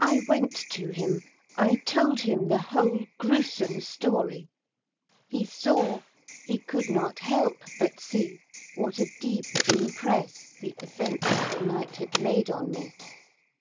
I went to him. I told him the whole gruesome story. He saw, he could not help but see what a deep impress the events of the night had made on me.